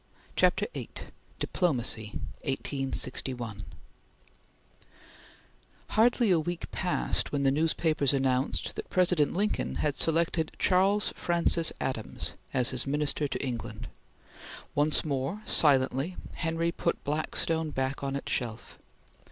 CHAPTER VIII DIPLOMACY (1861) HARDLY a week passed when the newspapers announced that President Lincoln had selected Charles Francis Adams as his Minister to England. Once more, silently, Henry put Blackstone back on its shelf.